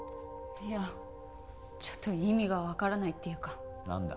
いやちょっと意味が分からないっていうか何だ？